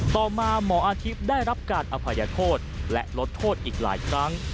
ต่อมาหมออาทิตย์ได้รับการอภัยโทษและลดโทษอีกหลายครั้ง